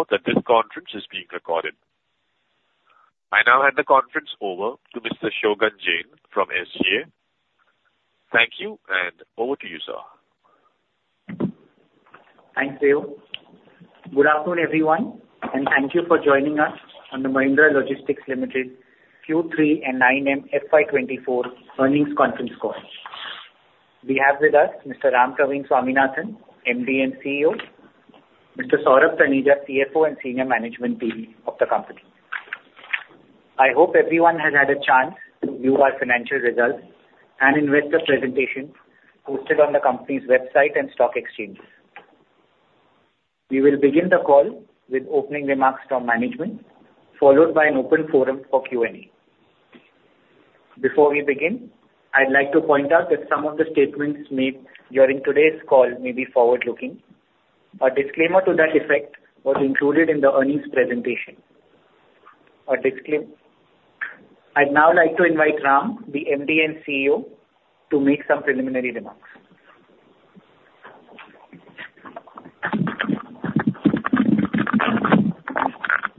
Please note that this conference is being recorded. I now hand the conference over to Mr. Shogun Jain from SGA. Thank you, and over to you, sir. Thanks, Theo. Good afternoon, everyone, and thank you for joining us on the Mahindra Logistics Limited Q3 and 9M FY 2024 earnings conference call. We have with us Mr. Rampraveen Swaminathan, MD and CEO, Mr. Saurabh Taneja, CFO, and senior management team of the company. I hope everyone has had a chance to view our financial results and investor presentation posted on the company's website and stock exchanges. We will begin the call with opening remarks from management, followed by an open forum for Q&A. Before we begin, I'd like to point out that some of the statements made during today's call may be forward-looking. A disclaimer to that effect was included in the earnings presentation. I'd now like to invite Ram, the MD and CEO, to make some preliminary remarks.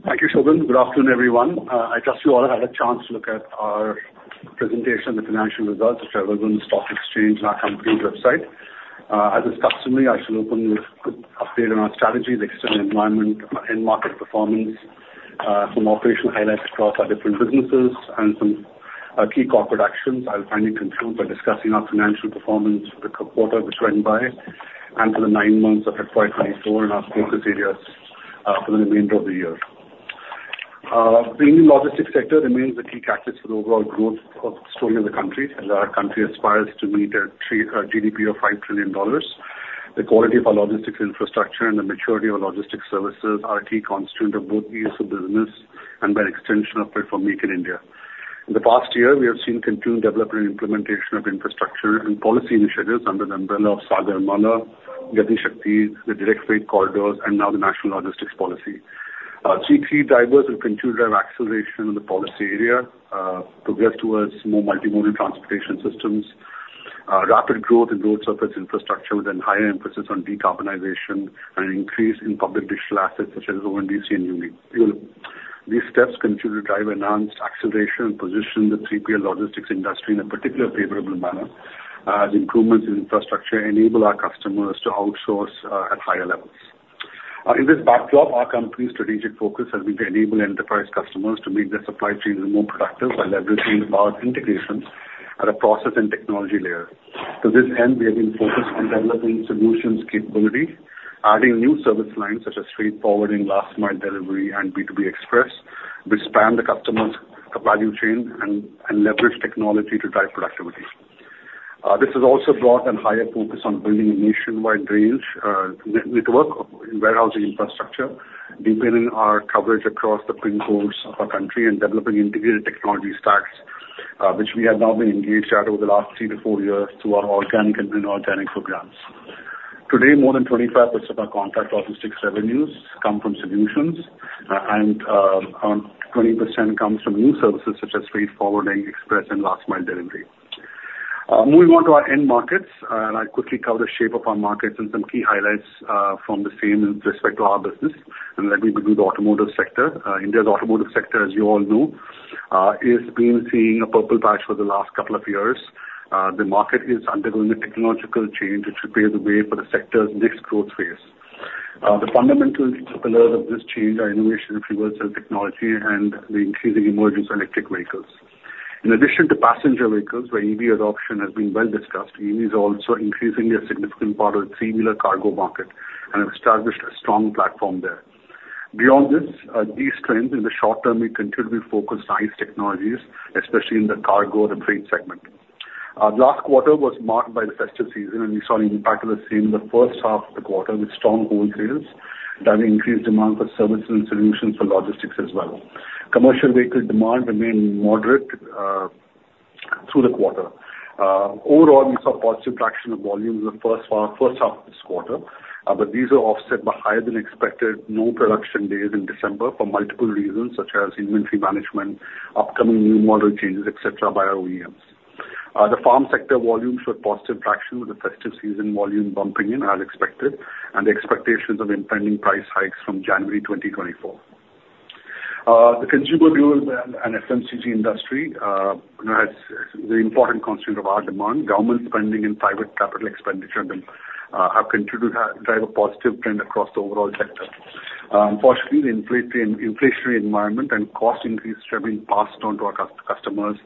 Thank you, Shogun. Good afternoon, everyone. I trust you all have had a chance to look at our presentation and the financial results, which are available on the stock exchange and our company's website. As is customary, I shall open with a quick update on our strategy, the external environment, and market performance, some operational highlights across our different businesses and some key corporate actions. I'll finally conclude by discussing our financial performance for the quarter, which went by, and for the nine months of FY 2024 and our focus areas for the remainder of the year. The Indian logistics sector remains a key catalyst for the overall growth story in the country, as our country aspires to meet a $5 trillion GDP. The quality of our logistics infrastructure and the maturity of logistics services are a key constituent of both ease of business and by extension of it for Make in India. In the past year, we have seen continued development and implementation of infrastructure and policy initiatives under the umbrella of Sagarmala, Gati Shakti, the Dedicated Freight Corridors, and now the National Logistics Policy. Three key drivers will continue to drive acceleration in the policy area, to get towards more multimodal transportation systems, rapid growth in road surface infrastructure with a higher emphasis on decarbonization and an increase in public digital assets such as ONDC and ULIP. These steps continue to drive enhanced acceleration and position the 3PL logistics industry in a particularly favorable manner, as improvements in infrastructure enable our customers to outsource at higher levels. In this backdrop, our company's strategic focus has been to enable enterprise customers to make their supply chains more productive by leveraging our integrations at a process and technology layer. To this end, we have been focused on developing solutions capability, adding new service lines such as freight forwarding and last mile delivery and B2B Express, which span the customer's value chain and leverage technology to drive productivity. This has also brought a higher focus on building a nationwide network in warehousing infrastructure, deepening our coverage across the pin codes of our country and developing integrated technology stacks, which we have now been engaged at over the last 3-4 years through our organic and inorganic programs. Today, more than 25% of our contract logistics revenues come from solutions, and 20% comes from new services such as freight forwarding, express, and last mile delivery. Moving on to our end markets, and I'll quickly cover the shape of our markets and some key highlights from the same with respect to our business, and let me begin with the automotive sector. India's automotive sector, as you all know, has been seeing a purple patch for the last couple of years. The market is undergoing a technological change, which will pave the way for the sector's next growth phase. The fundamental pillars of this change are innovation in reverse technology and the increasing emergence of electric vehicles. In addition to passenger vehicles, where EV adoption has been well discussed, EV is also increasingly a significant part of the three-wheeler cargo market and have established a strong platform there. Beyond this, these trends in the short term will continue to be focused on ICE technologies, especially in the cargo and freight segment. Last quarter was marked by the festive season, and we saw an impact of the same in the first half of the quarter with strong wholesales, driving increased demand for services and solutions for logistics as well. Commercial vehicle demand remained moderate, through the quarter. Overall, we saw positive traction of volumes in the first half, first half of this quarter, but these were offset by higher than expected no production days in December for multiple reasons, such as inventory management, upcoming new model changes, et cetera, by our OEMs. The Farm sector volumes were positive traction, with the festive season volume bumping in as expected, and the expectations of impending price hikes from January 2024. The consumer durable and FMCG industry has the important constituent of our demand. Government spending and private capital expenditure have continued to drive a positive trend across the overall sector. Unfortunately, the inflationary environment and cost increases have been passed on to our customers,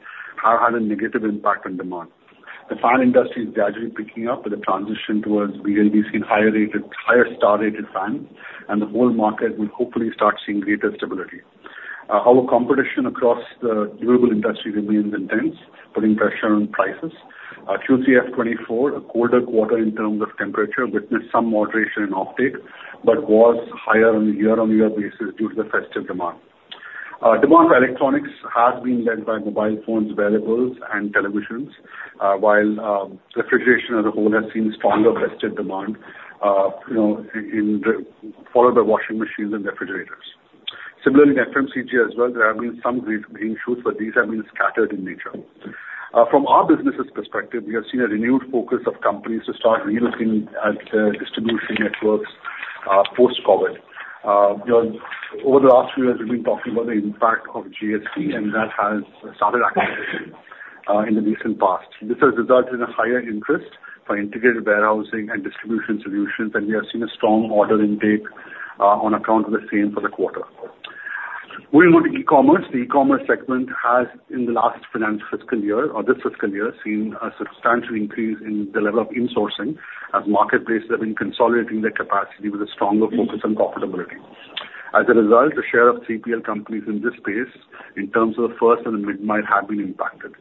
have had a negative impact on demand. The fan industry is gradually picking up with a transition towards BLDC and higher-rated, higher star-rated fans, and the whole market will hopefully start seeing greater stability. Our competition across the durable industry remains intense, putting pressure on prices. Q3 FY 2024, a colder quarter in terms of temperature, witnessed some moderation in offtake, but was higher on a year-on-year basis due to the festive demand. Demand for electronics has been led by mobile phones, wearables, and televisions, while refrigeration as a whole has seen stronger festive demand, you know, in the, followed by washing machines and refrigerators. Similarly, in FMCG as well, there have been some green, green shoots, but these have been scattered in nature. From our business's perspective, we have seen a renewed focus of companies to start relooking at their distribution networks, post-COVID. You know, over the last few years, we've been talking about the impact of GST, and that has started in the recent past. This has resulted in a higher interest for integrated warehousing and distribution solutions, and we have seen a strong order intake on account of the same for the quarter. Moving on to e-commerce. The e-commerce segment has, in the last financial fiscal year or this fiscal year, seen a substantial increase in the level of insourcing as marketplace have been consolidating their capacity with a stronger focus on profitability. As a result, the share of 3PL companies in this space, in terms of first and mid-mile, have been impacted.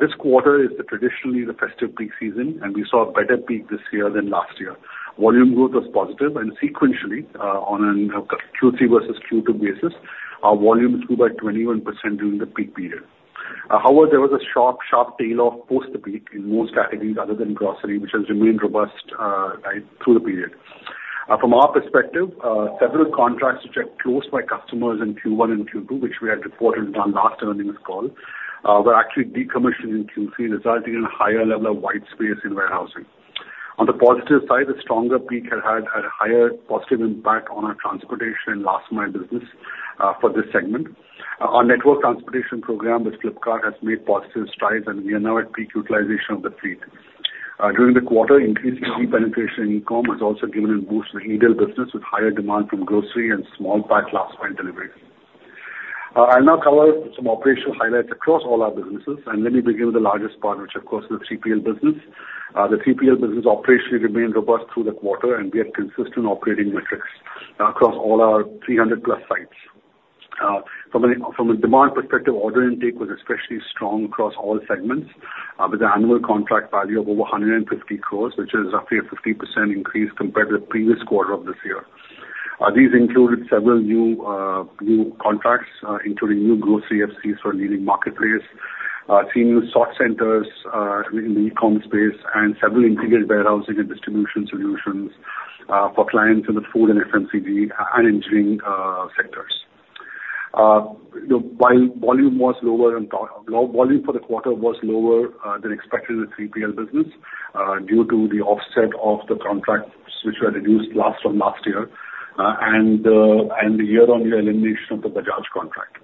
This quarter is traditionally the festive peak season, and we saw a better peak this year than last year. Volume growth was positive and sequentially, on a Q3 versus Q2 basis, our volume grew by 21% during the peak period. However, there was a sharp, sharp tailoff post the peak in most categories other than grocery, which has remained robust, right through the period. From our perspective, several contracts which are closed by customers in Q1 and Q2, which we had reported on last earnings call, were actually decommissioned in Q3, resulting in a higher level of white space in warehousing. On the positive side, the stronger peak had, had a higher positive impact on our transportation and last mile business, for this segment. Our network transportation program with Flipkart has made positive strides, and we are now at peak utilization of the fleet. During the quarter, increasing deep penetration in e-com has also given a boost to the middle business, with higher demand from grocery and small pack last mile delivery. I'll now cover some operational highlights across all our businesses, and let me begin with the largest part, which of course is the 3PL business. The 3PL business operation remained robust through the quarter, and we had consistent operating metrics across all our 300+ sites. From a demand perspective, order intake was especially strong across all segments, with an annual contract value of over 150 crore, which is roughly a 50% increase compared to the previous quarter of this year. These included several new contracts, including new grocery FCs for leading marketplace, 3 new sort centers in the e-com space, and several integrated warehousing and distribution solutions for clients in the food and FMCG and engineering sectors. While volume was lower and volume for the quarter was lower than expected in the 3PL business, due to the offset of the contracts which were reduced last from last year, and the year-on-year elimination of the Bajaj contract.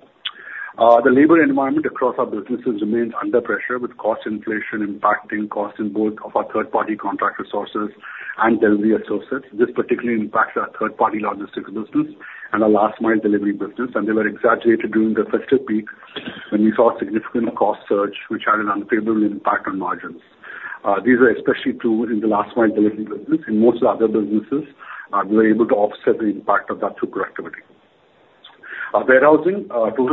The labor environment across our businesses remains under pressure, with cost inflation impacting costs in both of our third-party contract resources and delivery resources. This particularly impacts our third-party logistics business and our last mile delivery business, and they were exaggerated during the festive peak, when we saw a significant cost surge, which had an unfavorable impact on margins. These were especially true in the last mile delivery business. In most of the other businesses, we were able to offset the impact of that through productivity. Our total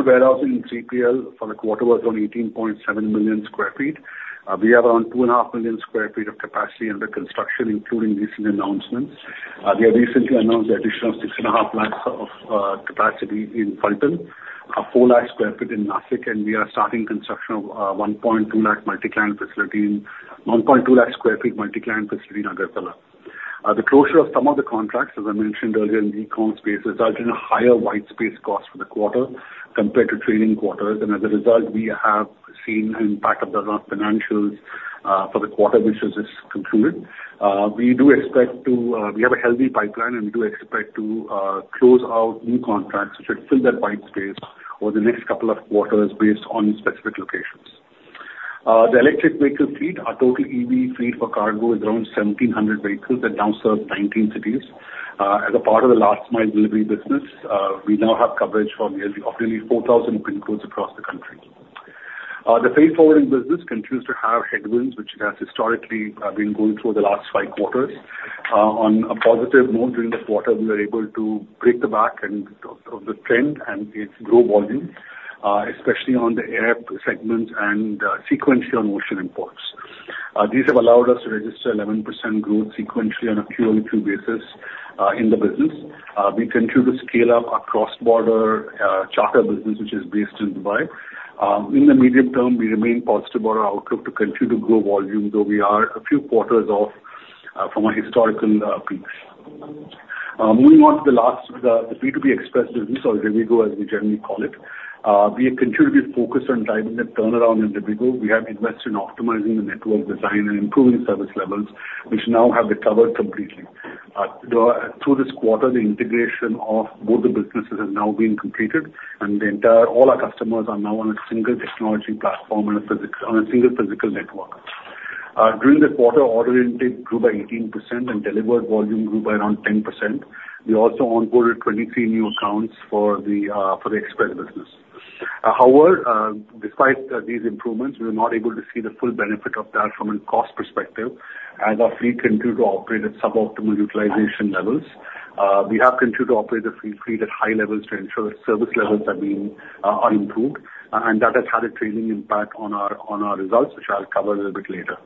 warehousing in 3PL for the quarter was around 18.7 million sq ft. We have around 2.5 million sq ft of capacity under construction, including recent announcements. We have recently announced the addition of 6.5 lakh sq ft of capacity in Phaltan, 4 lakh sq ft in Nashik, and we are starting construction of 1.2 lakh sq ft multi-client facility in Agartala. The closure of some of the contracts, as I mentioned earlier in the e-com space, resulted in a higher white space cost for the quarter compared to trailing quarters, and as a result, we have seen an impact of the last financials for the quarter, which has just concluded. We have a healthy pipeline, and we do expect to close out new contracts, which should fill that white space over the next couple of quarters based on specific locations. The electric vehicle fleet, our total EV fleet for cargo is around 1,700 vehicles that now serve 19 cities. As a part of the last mile delivery business, we now have coverage for nearly up to nearly 4,000 pin codes across the country. The freight forwarding business continues to have headwinds, which it has historically been going through the last five quarters. On a positive note, during this quarter, we were able to break the back of the trend and its growth volume, especially on the air segments and sequential ocean imports. These have allowed us to register 11% growth sequentially on a quarter-over-quarter basis in the business. We continue to scale up our cross-border charter business, which is based in Dubai. In the medium term, we remain positive about our outlook to continue to grow volume, though we are a few quarters off from our historical peaks. Moving on to the B2B Express business, or Rivigo, as we generally call it. We have continued to be focused on driving the turnaround in Rivigo. We have invested in optimizing the network design and improving service levels, which now have recovered completely. Through this quarter, the integration of both the businesses has now been completed, and all our customers are now on a single technology platform and on a single physical network. During this quarter, order intake grew by 18% and delivered volume grew by around 10%. We also onboarded 23 new accounts for the Express business. However, despite these improvements, we were not able to see the full benefit of that from a cost perspective, as our fleet continued to operate at suboptimal utilization levels. We have continued to operate the fleet at high levels to ensure that service levels are being improved, and that has had a trailing impact on our results, which I'll cover a little bit later.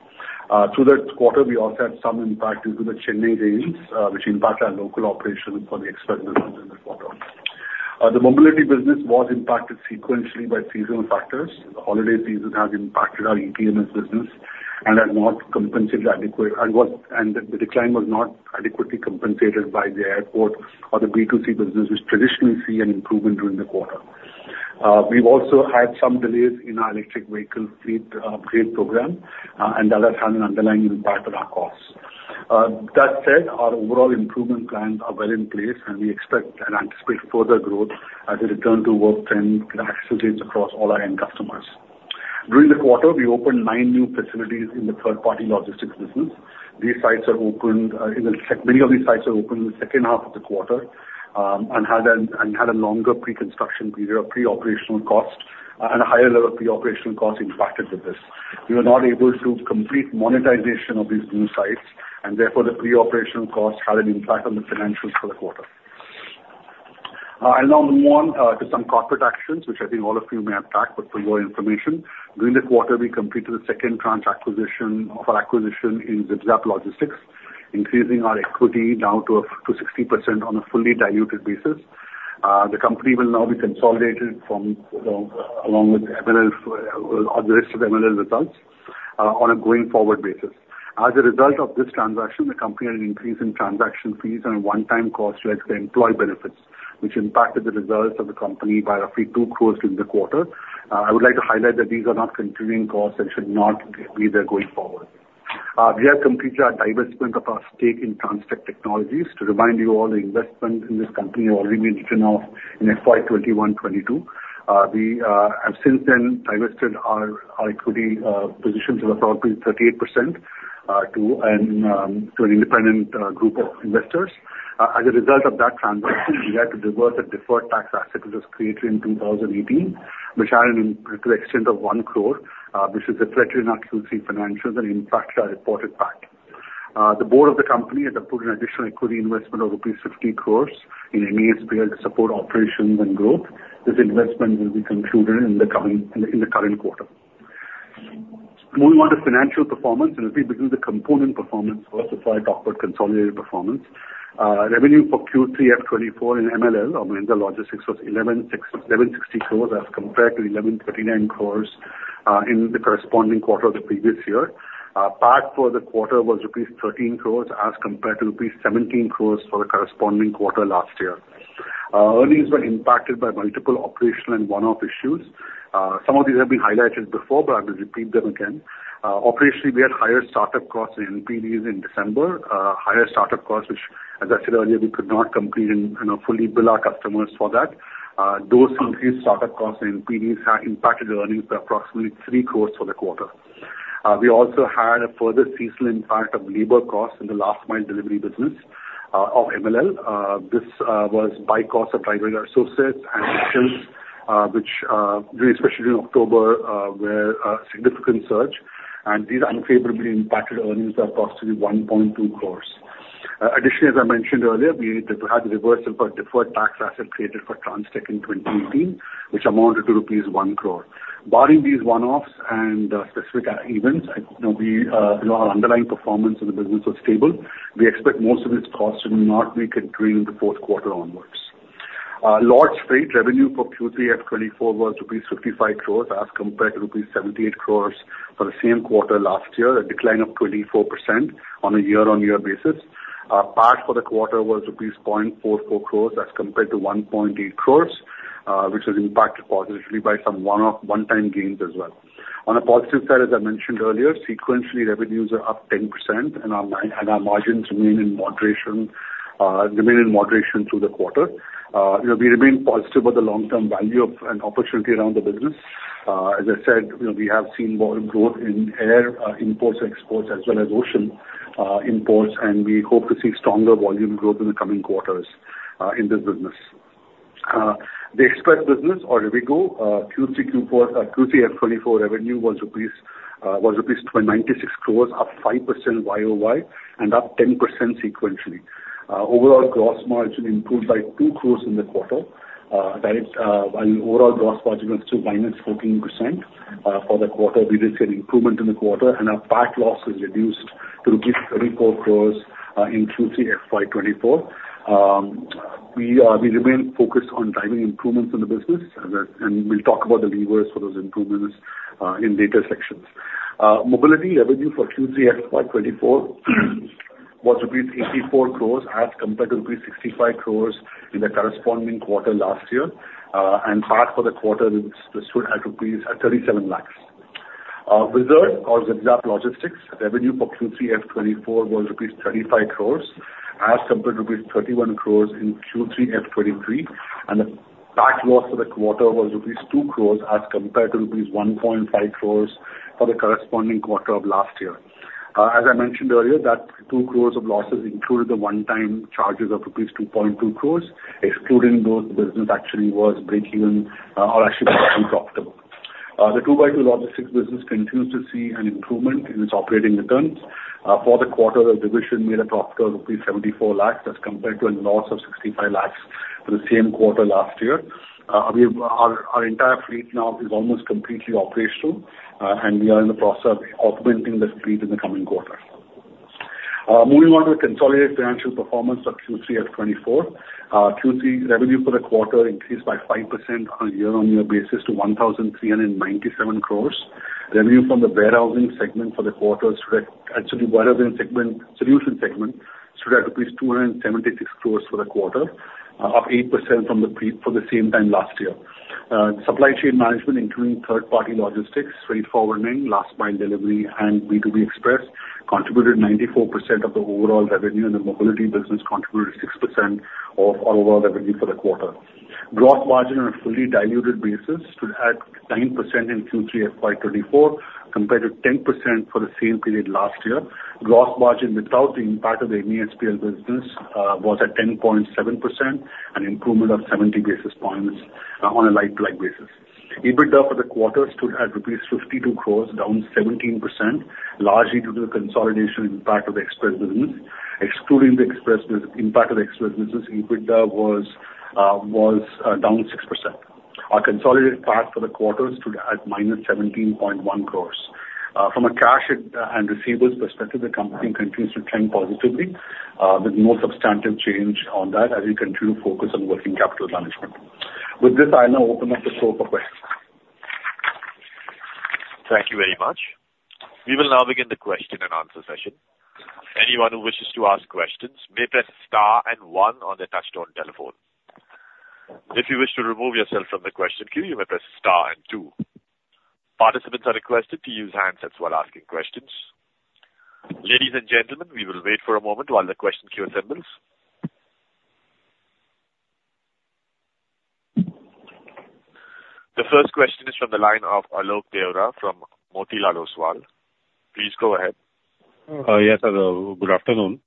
Through that quarter, we also had some impact due to the Chennai rains, which impact our local operations for the Express business in the quarter. The mobility business was impacted sequentially by seasonal factors. The holiday season has impacted our ETMS business. and are not compensatively adequate, and the decline was not adequately compensated by the airport or the B2C business, which traditionally see an improvement during the quarter. We've also had some delays in our electric vehicle fleet program, and the other had an underlying impact on our costs. That said, our overall improvement plans are well in place, and we expect and anticipate further growth as a return to work trend accelerates across all our end customers. During the quarter, we opened nine new facilities in the third-party logistics business. These sites are opened in the second half of the quarter, and had a longer pre-construction period or pre-operational cost, and a higher level of pre-operational costs impacted with this. We were not able to complete monetization of these new sites, and therefore, the pre-operational costs had an impact on the financials for the quarter. I'll now move on to some corporate actions, which I think all of you may have tracked, but for your information. During this quarter, we completed the second tranche acquisition of our acquisition ZipZap Logistics, increasing our equity now to 60% on a fully diluted basis. The company will now be consolidated from, you know, along with MLL or the rest of the MLL results on a going-forward basis. As a result of this transaction, the company had an increase in transaction fees and a one-time cost related to employee benefits, which impacted the results of the company by roughly 2 crore during the quarter. I would like to highlight that these are not continuing costs and should not be there going forward. We have completed our divestment of our stake in Transtech Logistics. To remind you all, the investment in this company has already been written off in FY 2021-2022. We have since then divested our equity positions of approximately 38% to an independent group of investors. As a result of that transaction, we had to reverse a deferred tax asset that was created in 2018, which added in to the extent of 1 crore, which is reflected in our Q3 financials and impacted our reported PAT. The board of the company has approved an additional equity investment of rupees 50 crores in an ASP to support operations and growth. This investment will be concluded in the coming current quarter. Moving on to financial performance, and let me begin with the component performance first, before I talk about consolidated performance. Revenue for Q3 FY 2024 in MLL, our Logistics, was 1,160 crores as compared to 1,139 crores in the corresponding quarter of the previous year. PAT for the quarter was rupees 13 crores as compared to rupees 17 crores for the corresponding quarter last year. Earnings were impacted by multiple operational and one-off issues. Some of these have been highlighted before, but I will repeat them again. Operationally, we had higher startup costs in NPDs in December. Higher startup costs, which, as I said earlier, we could not complete and fully bill our customers for that. Those increased startup costs in NPDs have impacted earnings by approximately 3 crore for the quarter. We also had a further seasonal impact of labor costs in the last mile delivery business of MLL. This was by cost of driver associates and actions, which really, especially in October, were a significant surge, and these unfavorably impacted earnings of approximately 1.2 crore. Additionally, as I mentioned earlier, we needed to have the reversal for deferred tax asset created for Transtech in 2018, which amounted to rupees 1 crore. Barring these one-offs and specific events, you know, our underlying performance in the business was stable. We expect most of these costs to not be recurring in the fourth quarter onwards. Lords Freight Revenue for Q3 FY 2024 was rupees 55 crore, as compared to rupees 78 crore for the same quarter last year, a decline of 24% on a year-on-year basis. PAT for the quarter was rupees 0.44 crore as compared to 1.8 crore, which was impacted positively by some one-off, one-time gains as well. On a positive side, as I mentioned earlier, sequentially, revenues are up 10%, and our margins remain in moderation through the quarter. You know, we remain positive about the long-term value of and opportunity around the business. As I said, you know, we have seen volume growth in air imports and exports, as well as ocean imports, and we hope to see stronger volume growth in the coming quarters in this business. The Express business, or Rivigo, Q3 FY 2024 revenue was 296 crore rupees, up 5% YOY and up 10% sequentially. Overall gross margin improved by 2 crore in the quarter. That is, while overall gross margin was still -14%, for the quarter, we did see an improvement in the quarter, and our PAT loss was reduced to rupees 34 crore, in Q3 FY 2024. We remain focused on driving improvements in the business, and we'll talk about the levers for those improvements, in later sections. Mobility revenue for Q3 FY 2024 was rupees 84 crore, as compared to rupees 65 crore in the corresponding quarter last year. And PAT for the quarter stood at 37 lakh rupees. Whizzard ZipZap Logistics, revenue for Q3 FY 2024 was rupees 35 crore, as compared to rupees 31 crore in Q3 FY 2023, and the PAT loss for the quarter was rupees 2 crore, as compared to rupees 1.5 crore for the corresponding quarter of last year. As I mentioned earlier, that 2 crore of losses included the one-time charges of rupees 2.2 crore. Excluding those, the business actually was breakeven, or actually slightly profitable. The 2x2 Logistics business continues to see an improvement in its operating returns. For the quarter, the division made a profit of rupees 74 lakh, as compared to a loss of 65 lakh for the same quarter last year. Our entire fleet now is almost completely operational, and we are in the process of augmenting this fleet in the coming quarter. Moving on to the consolidated financial performance of Q3 FY 2024. Q3 revenue for the quarter increased by 5% on a year-on-year basis to 1,397 crore. Revenue from the warehousing segment for the quarter stood at, actually, solutions segment, stood at 276 crore for the quarter, up 8% from the pre- for the same time last year. Supply chain management, including third-party logistics, freight forwarding, last mile delivery, and B2B express, contributed 94% of the overall revenue, and the mobility business contributed 6% of overall revenue for the quarter. Gross margin on a fully diluted basis stood at 9% in Q3 FY 2024, compared to 10% for the same period last year. Gross margin, without the impact of the Express business, was at 10.7%, an improvement of 70 basis points on a like-to-like basis. EBITDA for the quarter stood at INR 52 crore, down 17%, largely due to the consolidation impact of the Express business. Excluding the Express business, impact of the Express business, EBITDA was down 6%. Our consolidated tax for the quarter stood at -17.1 crore. From a cash and receivables perspective, the company continues to trend positively, with no substantive change on that as we continue to focus on working capital management. With this, I now open up the floor for questions. Thank you very much. We will now begin the question and answer session. Anyone who wishes to ask questions may press star and one on their touchtone telephone. If you wish to remove yourself from the question queue, you may press star and two. Participants are requested to use handsets while asking questions. Ladies and gentlemen, we will wait for a moment while the question queue assembles. The first question is from the line of Alok Deora from Motilal Oswal. Please go ahead. Yes, sir. Good afternoon.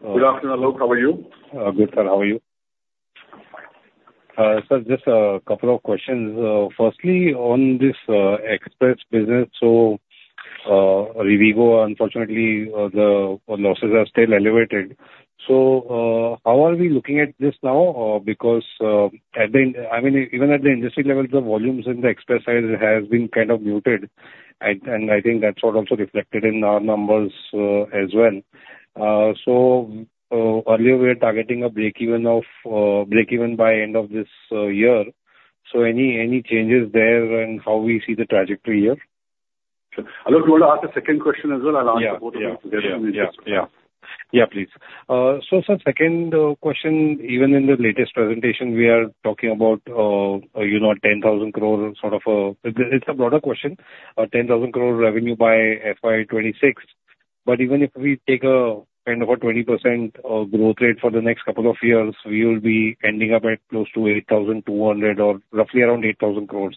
Good afternoon, Alok. How are you? Good, sir. How are you? Sir, just a couple of questions. Firstly, on this express business, so, Rivigo, unfortunately, the losses are still elevated. So, how are we looking at this now? Because, at the end, I mean, even at the industry level, the volumes in the express side has been kind of muted, and, and I think that's what also reflected in our numbers, as well. So, earlier we were targeting a breakeven of breakeven by end of this year. So any, any changes there and how we see the trajectory here? Sure. Alok, do you want to ask a second question as well? I'll answer both of them together. Yeah, yeah, yeah. Yeah, please. So, sir, second question: even in the latest presentation, we are talking about, you know, 10,000 crore sort of, it's a broader question, 10,000 crore revenue by FY 2026. But even if we take a kind of a 20% growth rate for the next couple of years, we will be ending up at close to 8,200 crore or roughly around 8,000 crore.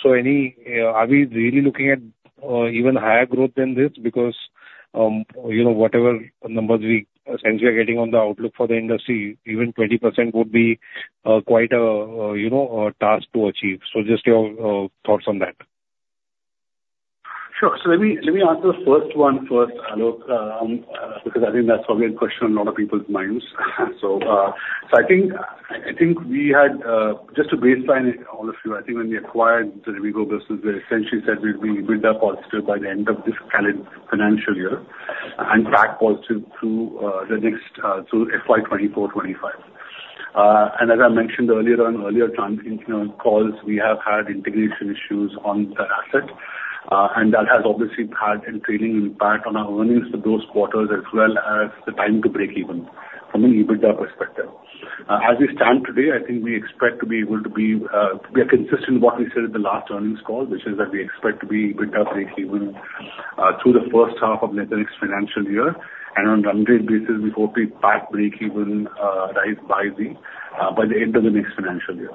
So any... Are we really looking at even higher growth than this? Because, you know, whatever numbers we essentially are getting on the outlook for the industry, even 20% would be quite a, you know, a task to achieve. So just your thoughts on that. Sure. So let me, let me answer the first one first, Alok, because I think that's probably a question on a lot of people's minds. So, so I think, I, I think we had, just to baseline all of you, I think when we acquired the Rivigo business, we essentially said we'd be EBITDA positive by the end of this calendar-financial year and PAT positive through, the next, through FY 2024, 2025. And as I mentioned earlier on, earlier time, in, you know, calls, we have had integration issues on that asset, and that has obviously had a trailing impact on our earnings for those quarters, as well as the time to breakeven from an EBITDA perspective. As we stand today, I think we expect to be able to be, we are consistent with what we said in the last earnings call, which is that we expect to be EBITDA breakeven through the first half of next financial year, and on runway basis, we hope to be back breakeven by the, by the end of the next financial year.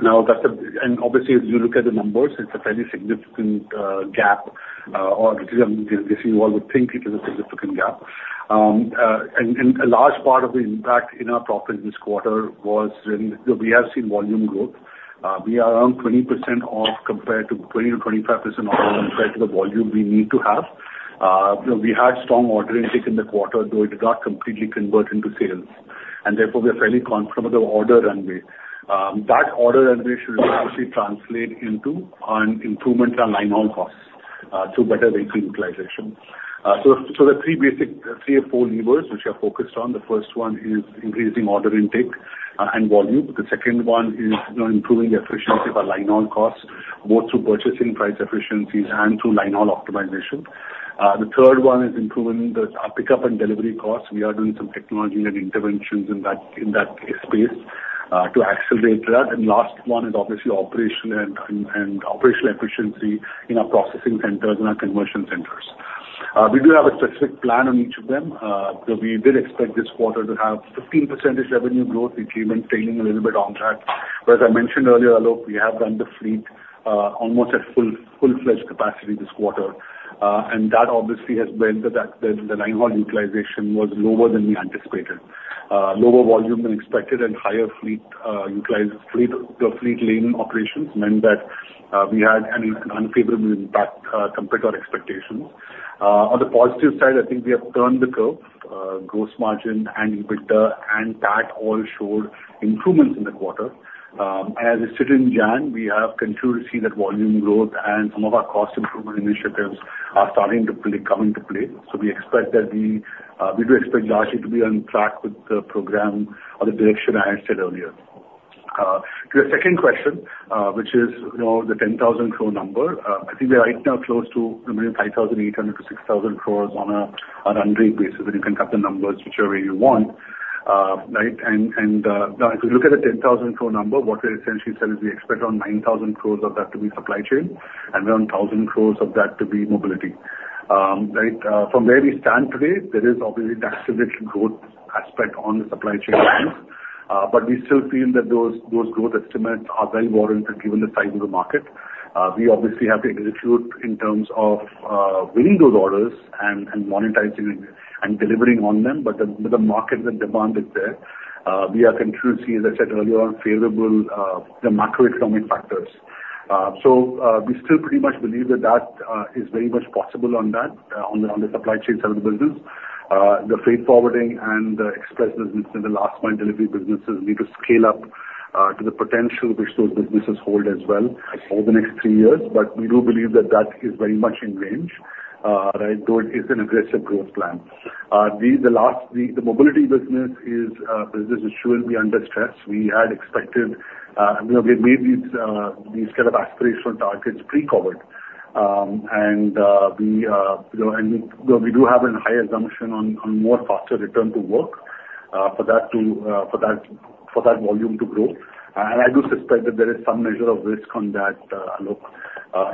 Now, that's a... And obviously, as you look at the numbers, it's a fairly significant gap, or if you all would think it is a significant gap. And, and a large part of the impact in our profit this quarter was really, we have seen volume growth. We are around 20% off compared to, 20%-25% off compared to the volume we need to have. You know, we had strong order intake in the quarter, though it did not completely convert into sales, and therefore we are fairly confident of the order runway. That order runway should obviously translate into an improvement on line-haul costs through better vehicle utilization. So the three basic, three or four levers which are focused on, the first one is increasing order intake and volume. The second one is, you know, improving the efficiency of our line-haul costs, both through purchasing price efficiencies and through line-haul optimization. The third one is improving the pickup and delivery costs. We are doing some technology and interventions in that space to accelerate that. And last one is obviously operation and operational efficiency in our processing centers and our conversion centers. We do have a specific plan on each of them. So we did expect this quarter to have 15% revenue growth, which even trailing a little bit on that. But as I mentioned earlier, Alok, we have run the fleet, almost at full, full-fledged capacity this quarter. And that obviously has meant that the line-haul utilization was lower than we anticipated. Lower volume than expected and higher fleet, fleet lane operations meant that, we had an unfavorable impact, compared to our expectations. On the positive side, I think we have turned the curve.... gross margin and EBITDA, and that all showed improvements in the quarter. As I stated in January, we have continued to see that volume growth and some of our cost improvement initiatives are starting to really come into play. So we expect that we do expect largely to be on track with the program or the direction I had said earlier. To your second question, which is, you know, the 10,000 crore number. I think we are right now close to between 5,800-6,000 crores on a running basis, and you can cut the numbers whichever way you want, right? And now, if you look at the 10,000 crore number, what we essentially said is we expect around 9,000 crores of that to be supply chain and around 1,000 crores of that to be mobility. Right, from where we stand today, there is obviously the accelerated growth aspect on the supply chain side. But we still feel that those, those growth estimates are well warranted, given the size of the market. We obviously have to execute in terms of, winning those orders and, and monetizing and delivering on them. But the, but the market, the demand is there. We are continuing to see, as I said earlier, on favorable, the macroeconomic factors. So, we still pretty much believe that that, is very much possible on that, on the, on the supply chain side of the business. The freight forwarding and the express business and the last mile delivery businesses need to scale up, to the potential which those businesses hold as well over the next three years. But we do believe that that is very much in range, right? Though it is an aggressive growth plan. The mobility business is surely under stress. We had expected, you know, we've made these kind of aspirational targets pre-COVID. And we, you know, and we do have a high assumption on more faster return to work, for that volume to grow. And I do suspect that there is some measure of risk on that, Alok,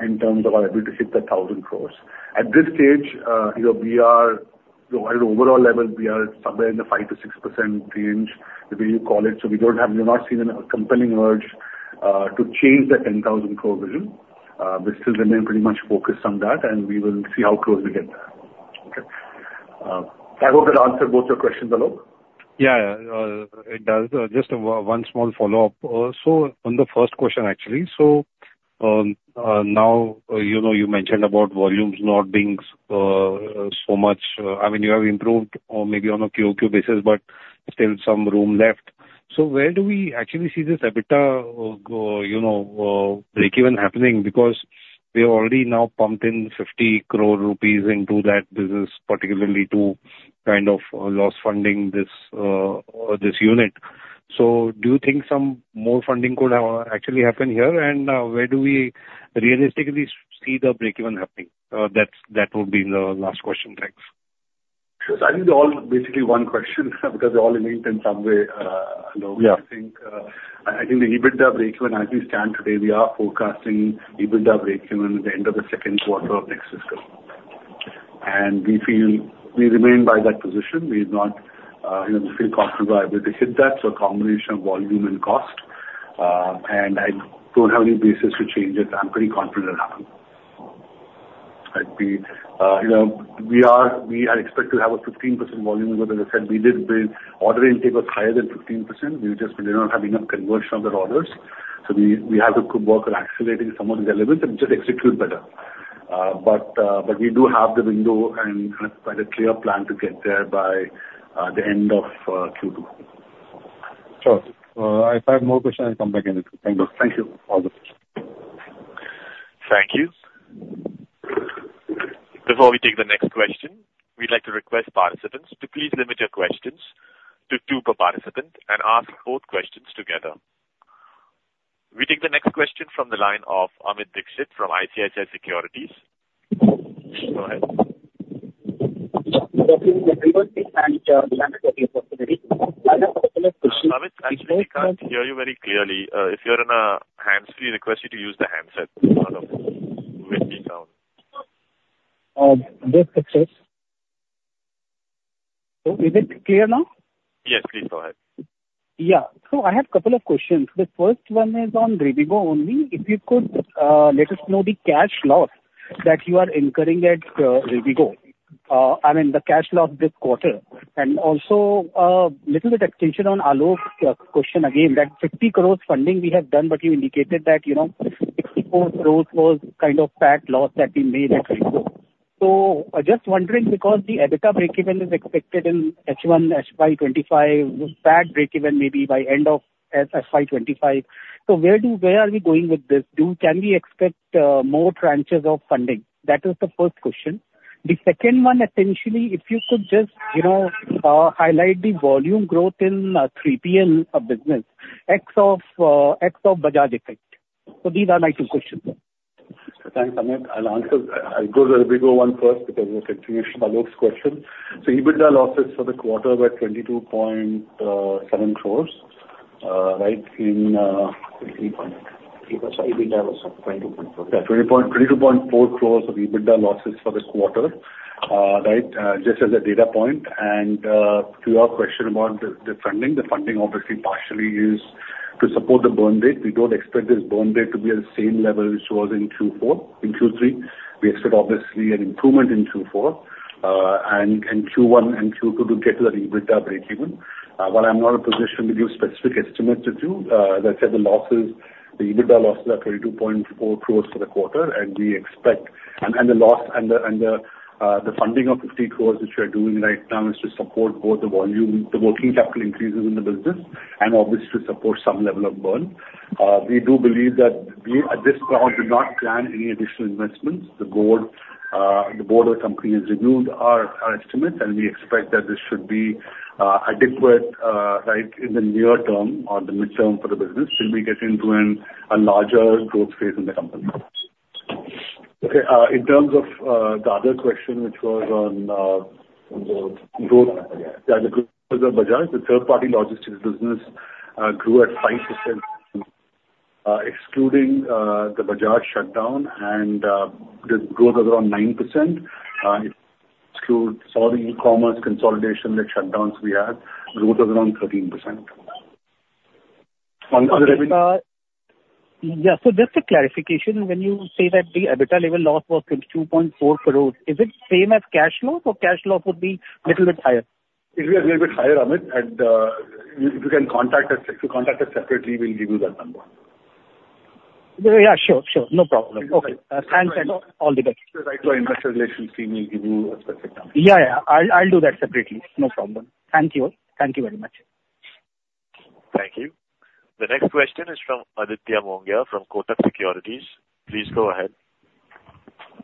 in terms of our ability to hit the 1,000 crore. At this stage, you know, at an overall level, we are somewhere in the 5%-6% range, whatever you call it, so we don't have, we've not seen a compelling urge to change the 10,000 crore vision. We still remain pretty much focused on that, and we will see how close we get there. Okay. I hope that answered both your questions, Alok. Yeah, it does. Just one small follow-up. So on the first question, actually, so, now, you know, you mentioned about volumes not being so much. I mean, you have improved or maybe on a QoQ basis, but still some room left. So where do we actually see this EBITDA go, you know, breakeven happening? Because we have already now pumped in 50 crore rupees into that business, particularly to kind of loss funding this unit. So do you think some more funding could actually happen here? And where do we realistically see the breakeven happening? That's, that would be the last question. Thanks. Sure. So I think they're all basically one question, because they're all linked in some way, Alok. Yeah. I think, I think the EBITDA breakeven as we stand today, we are forecasting EBITDA breakeven at the end of the second quarter of next fiscal. And we feel, we remain by that position. We've not, you know, we feel comfortable about able to hit that, so a combination of volume and cost. And I don't have any basis to change it. I'm pretty confident it'll happen. I'd be, you know, we are, we had expected to have a 15% volume, but as I said, we did build... Order intake was higher than 15%. We just did not have enough conversion of the orders. So we, we have to keep work on accelerating some of the elements and just execute better. But we do have the window and quite a clear plan to get there by the end of Q2. Sure. If I have more questions, I'll come back in. Thank you. Thank you. All the best. Thank you. Before we take the next question, we'd like to request participants to please limit your questions to two per participant and ask both questions together. We take the next question from the line of Amit Dixit from ICICI Securities. Go ahead. Amit, actually, we can't hear you very clearly. If you're in a hands-free, we request you to use the handset mode with me down. Yes, it is. So is it clear now? Yes, please go ahead. Yeah. So I have a couple of questions. The first one is on Rivigo only. If you could let us know the cash loss that you are incurring at Rivigo, I mean, the cash loss this quarter. And also, little bit attention on Alok's question again, that 50 crore funding we have done, but you indicated that, you know, 64 crore was kind of PAT loss that we made at Rivigo. So just wondering, because the EBITDA breakeven is expected in H1 FY 2025, with that breakeven maybe by end of FY 2025, so where are we going with this? Can we expect more tranches of funding? That was the first question. The second one, essentially, if you could just, you know, highlight the volume growth in 3PL of business, ex of Bajaj effect. These are my two questions. Thanks, Amit. I'll answer, I'll go to the Rivigo one first because it's an extension of Alok's question. So EBITDA losses for the quarter were 22.7 crores, right? In twenty-three point- EBITDA was 22.4. Yeah, 22.4 crores of EBITDA losses for this quarter, right? Just as a data point. To your question about the funding, the funding obviously partially is to support the burn rate. We don't expect this burn rate to be at the same level it was in Q4, in Q3. We expect obviously an improvement in Q4, and Q1 and Q2 to get to that EBITDA breakeven. But I'm not in a position to give specific estimates to do. As I said, the losses-... The EBITDA losses are 22.4 crore for the quarter, and we expect the loss and the funding of 50 crore, which we are doing right now, is to support both the volume, the working capital increases in the business and obviously to support some level of burn. We do believe that we, at this point, do not plan any additional investments. The board of the company has reviewed our estimates, and we expect that this should be adequate, right, in the near term or the mid-term for the business till we get into a larger growth phase in the company. Okay, in terms of the other question, which was on the growth, yeah, the growth of Bajaj, the third-party logistics business grew at 5%, excluding the Bajaj shutdown and the growth was around 9%. Exclude all the e-commerce consolidation, that shutdowns we had, growth was around 13%. On the other- Yeah, just a clarification. When you say that the EBITDA level loss was 22.4 crore, is it same as cash loss or cash loss would be little bit higher? It'll be a little bit higher, Amit, and you, if you can contact us, if you contact us separately, we'll give you that number. Yeah, sure, sure. No problem. Okay. Thanks and all the best. Write to our investor relations team, we'll give you a specific number. Yeah, yeah, I'll, I'll do that separately. No problem. Thank you. Thank you very much. Thank you. The next question is from Aditya Mongia, from Kotak Securities. Please go ahead.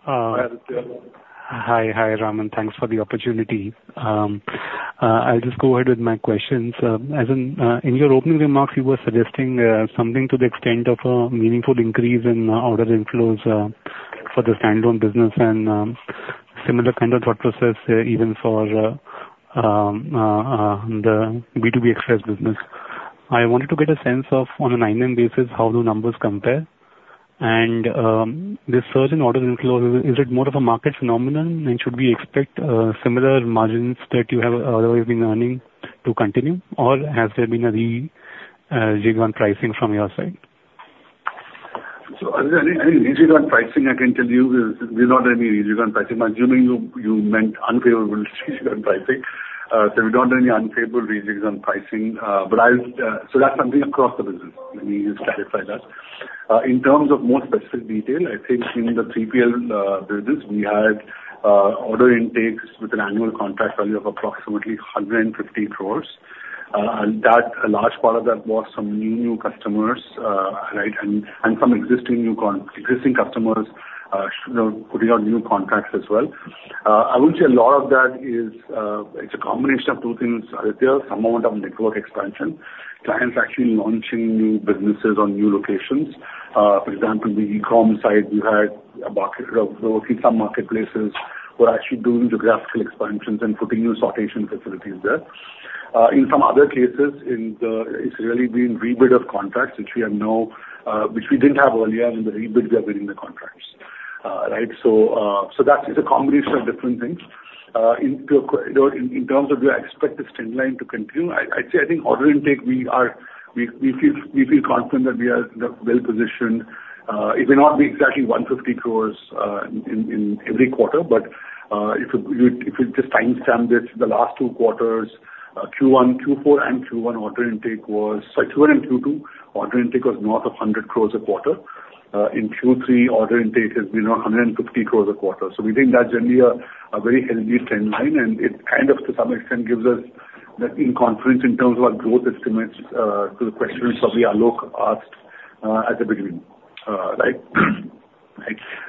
Hi, hi, Rampraveen. Thanks for the opportunity. I'll just go ahead with my questions. As in, in your opening remarks, you were suggesting something to the extent of a meaningful increase in order inflows for the standalone business and similar kind of thought process even for the B2B Express business. I wanted to get a sense of, on an annual basis, how the numbers compare? And this surge in order inflows, is it more of a market phenomenon, and should we expect similar margins that you have always been earning to continue, or has there been a re-jig on pricing from your side? So any rejig on pricing, I can tell you, is there's not any rejig on pricing. I'm assuming you meant unfavorable rejig on pricing. So we don't have any unfavorable rejigs on pricing, but I'll... So that's something across the business, let me just clarify that. In terms of more specific detail, I think in the 3PL business, we had order intakes with an annual contract value of approximately 150 crores. And that, a large part of that was some new customers, right, and some existing customers, you know, putting on new contracts as well. I would say a lot of that is, it's a combination of two things, Aditya. Some amount of network expansion, clients actually launching new businesses on new locations. For example, the e-com side, we had a market, in some marketplaces, we're actually doing geographical expansions and putting new sortation facilities there. In some other cases, in the, it's really been rebid of contracts, which we have now, which we didn't have earlier, and in the rebid, we are winning the contracts. Right, so, so that is a combination of different things. In terms of do I expect this trend line to continue, I'd say, I think order intake, we feel confident that we are well positioned. It may not be exactly 150 crore, in every quarter, but, if you just timestamp this, the last two quarters, Q1, Q4, and Q1 order intake was... Sorry, Q1 and Q2, order intake was north of 100 crore a quarter. In Q3, order intake has been around 150 crore a quarter. So we think that's generally a very healthy trend line, and it kind of, to some extent, gives us the team confidence in terms of our growth estimates, to the questions that Alok asked, at the beginning, right? Right.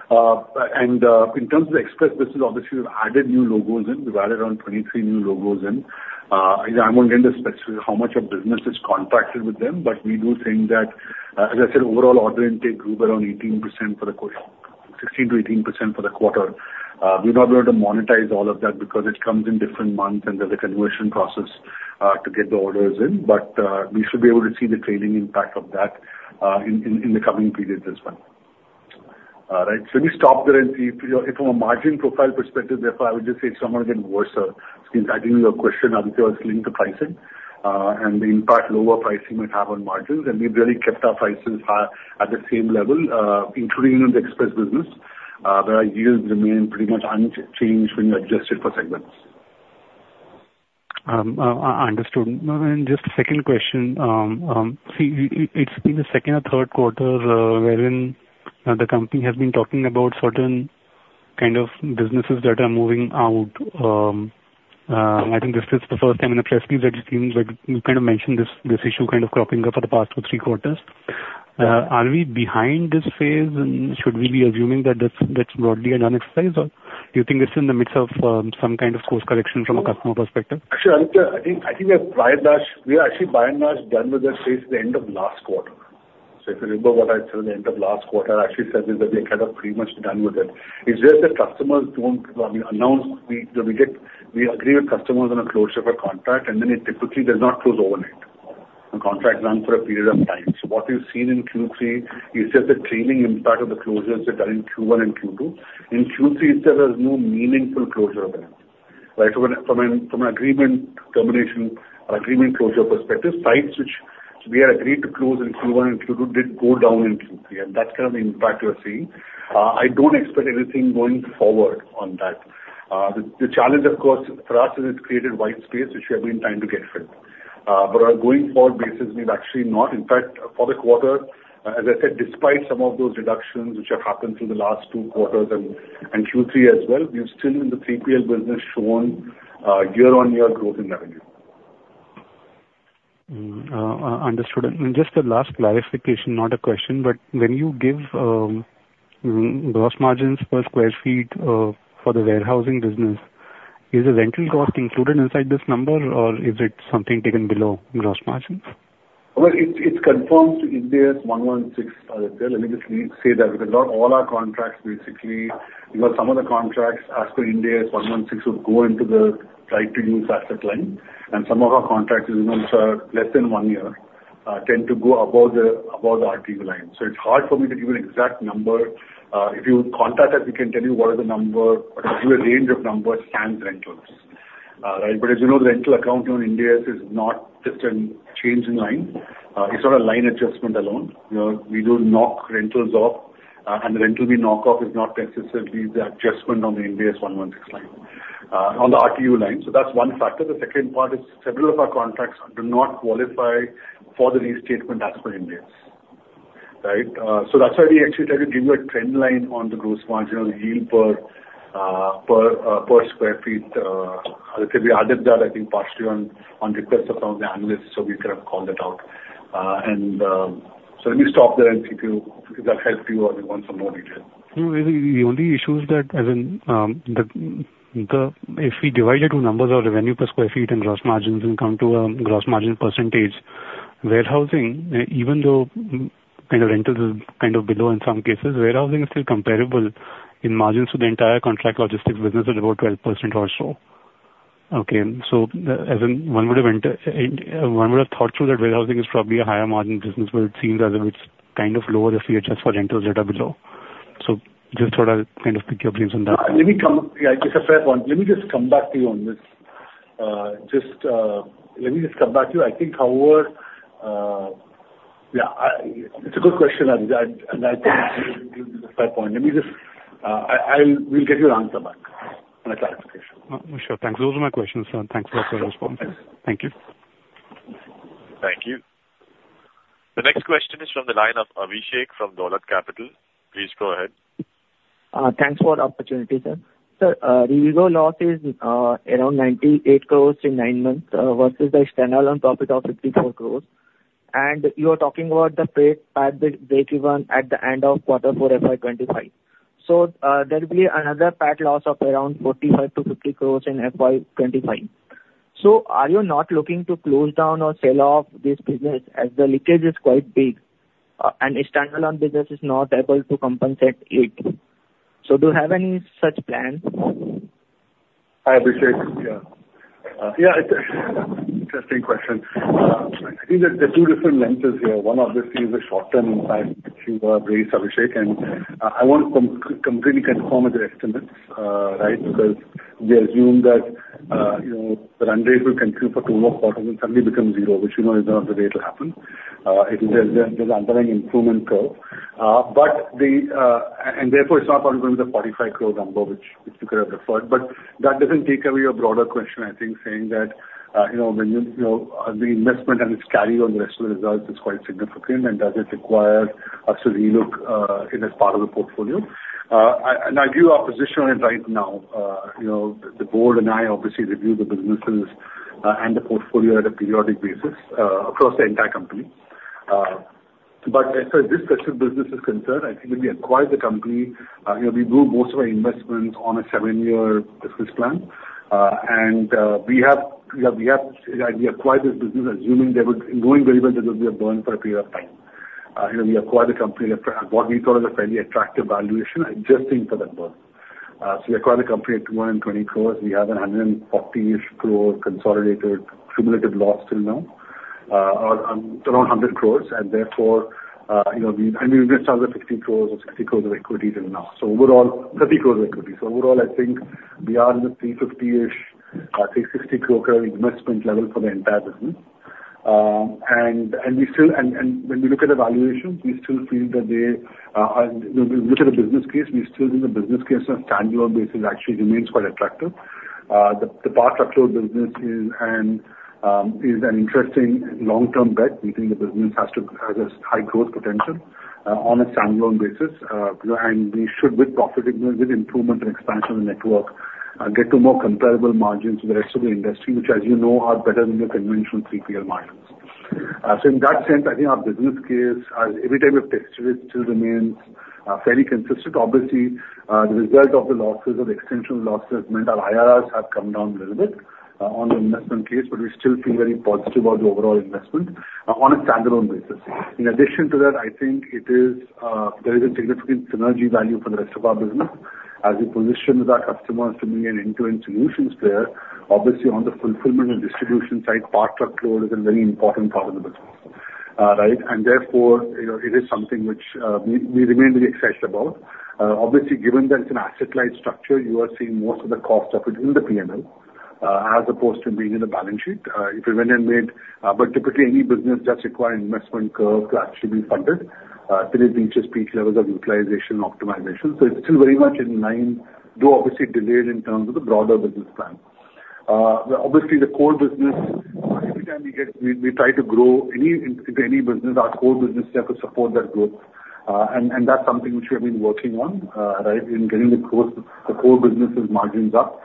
And, in terms of the express business, obviously, we've added new logos in. We've added around 23 new logos in. I won't get into specifics how much of business is contracted with them, but we do think that, as I said, overall order intake grew around 18% for the quarter, 16%-18% for the quarter. We're not able to monetize all of that because it comes in different months, and there's a conversion process to get the orders in, but we should be able to see the trailing impact of that in the coming periods as well. Right, so let me stop there and see. From a margin profile perspective, therefore, I would just say it's more or less worse. I think your question, Aditya, was linked to pricing, and the impact lower pricing might have on margins, and we've really kept our prices high, at the same level, including in the express business. The yields remain pretty much unchanged when you adjust it for segments. Understood. And just a second question: It's been the second or third quarter, wherein, the company has been talking about certain kind of businesses that are moving out. I think this is the first time in the press release that you've seen, like, you kind of mentioned this, this issue kind of cropping up for the past two, three quarters. Are we behind this phase, and should we be assuming that that's, that's broadly a done exercise, or do you think it's in the midst of some kind of course correction from a customer perspective? Actually, Aditya, I think, I think we are by and large, we are actually by and large done with that since the end of last quarter. So if you remember what I said at the end of last quarter, I actually said is that we are kind of pretty much done with it. It's just that customers don't... When we announce, we, when we get, we agree with customers on a closure of a contract, and then it typically does not close overnight. The contract runs for a period of time. So what you've seen in Q3 is just the cleaning impact of the closures that are in Q1 and Q2. In Q3, there is no meaningful closure there, right? So from an agreement termination or agreement closure perspective, sites which we had agreed to close in Q1 and Q2 did go down in Q3, and that's kind of the impact we're seeing. I don't expect anything going forward on that. The challenge, of course, for us is it's created white space, which we have been trying to get filled. But on a going forward basis, we've actually not. In fact, for the quarter, as I said, despite some of those reductions which have happened through the last two quarters and Q3 as well, we've still, in the 3PL business, shown year-over-year growth in revenue. Understood. And just a last clarification, not a question, but when you give gross margins per square feet for the warehousing business, is the rental cost included inside this number, or is it something taken below gross margins? Well, it's confirmed to Ind AS 116. Let me just say that because not all our contracts basically, you know, some of the contracts as per Ind AS 116 would go into the right-to-use asset line, and some of our contracts, which are less than one year, tend to go above the, above the RTU line. So it's hard for me to give you an exact number. If you contact us, we can tell you what is the number or give you a range of numbers and rentals. Right? But as you know, the rental account on Ind AS is not just a change in line. It's not a line adjustment alone. You know, we do knock rentals off, and the rental we knock off is not necessarily the adjustment on the Ind AS 116 line, on the RTU line. So that's one factor. The second part is, several of our contracts do not qualify for the restatement as per Ind AS, right? So that's why we actually tried to give you a trend line on the gross margin or the yield per sq ft. I think we added that, I think, partially on request from the analysts, so we kind of called it out. And, so let me stop there and see if you, if that helps you, or you want some more detail. No, the only issue is that, as in, If we divide it to numbers or revenue per square feet and gross margins and come to a gross margin percentage, warehousing, even though kind of rentals is kind of below in some cases, warehousing is still comparable in margins to the entire contract logistics business at about 12% or so. Okay, and so as in, one would have thought through that warehousing is probably a higher margin business, but it seems as if it's kind of lower if we adjust for rentals that are below. So just thought I'd kind of pick your brains on that. Yeah, it's a fair point. Let me just come back to you on this. Let me just come back to you. I think, however, yeah, it's a good question, and I think it's a fair point. Let me just, I'll, we'll get you an answer back and a clarification. Sure. Thanks. Those are my questions, sir, and thanks for your response. Thank you. Thank you. The next question is from the line of Abhishek from Dolat Capital. Please go ahead. Thanks for the opportunity, sir. Sir, the EBITDA loss is around 98 crore in nine months versus the standalone profit of 54 crore. And you are talking about the freight PAT breakeven at the end of quarter four, FY 2025. So, there will be another PAT loss of around 45 crore-50 crore in FY 2025. So are you not looking to close down or sell off this business, as the leakage is quite big, and a standalone business is not able to compensate it? So do you have any such plans? Hi, Abhishek. Yeah. Yeah, it's a interesting question. I think that there are two different lenses here. One, obviously, is the short-term impact, which you've raised, Abhishek, and I want to completely confirm with the estimates, right? Because we assume that, you know, the run rate will continue for two more quarters and suddenly become zero, which you know is not the way it'll happen. It will... There's an underlying improvement curve. But the... And therefore, it's not going to be the 45 crore number which you could have referred. But that doesn't take away your broader question, I think, saying that, you know, when you, you know, the investment and its carry on the rest of the results is quite significant, and does it require us to relook in as part of the portfolio? I and I give our position on it right now. You know, the board and I obviously review the businesses and the portfolio at a periodic basis across the entire company. But as far as this specific business is concerned, I think when we acquired the company, you know, we do most of our investments on a 7-year business plan. And we acquired this business assuming there would... knowing very well that there would be a burn for a period of time. You know, we acquired the company at what we thought was a fairly attractive valuation, adjusting for that burn. So we acquired the company at 220 crore. We have a 140-ish crore consolidated cumulative loss till now, around 100 crore. And therefore, you know, we and we've invested 50 crore or 60 crore of equity till now. So overall, 30 crore equity. So overall, I think we are in the 350-ish, 360 crore investment level for the entire business. And when we look at the valuation, we still feel that when we look at the business case, we still think the business case on a standalone basis actually remains quite attractive. The part truckload business is an interesting long-term bet. We think the business has a high growth potential on a standalone basis. And we should, with profit improvement, with improvement and expansion in network, get to more comparable margins with the rest of the industry, which, as you know, are better than your conventional 3PL margins. So in that sense, I think our business case, every time we've tested it, still remains, fairly consistent. Obviously, the result of the losses or the extension losses meant our IRRs have come down a little bit, on the investment case, but we still feel very positive about the overall investment, on a standalone basis. In addition to that, I think it is, there is a significant synergy value for the rest of our business as we position with our customers to be an end-to-end solutions player. Obviously, on the fulfillment and distribution side, part truckload is a very important part of the business, right? And therefore, you know, it is something which, we, we remain very excited about. Obviously, given that it's an asset-light structure, you are seeing most of the cost of it in the P&L.... As opposed to being in the balance sheet, if we went and made, but typically any business does require investment curve to actually be funded, till it reaches peak levels of utilization and optimization. So it's still very much in line, though obviously delayed in terms of the broader business plan. Obviously, the core business, every time we get we try to grow any business, our core business has to support that growth. And that's something which we have been working on, right? In getting the core business' margins up.